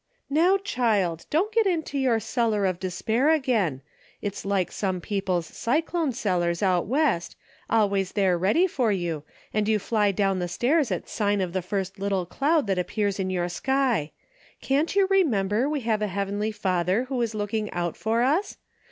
" Now, child ! Don't get into your cellar of despair again. It's like some people's cyclone A DAILY bate:' 183 cellars out West, always there ready for you, and you fly down the stairs at sign of the first little cloud that appears in your sky. Can't you remember we have a heavenly Father who is looking out for us?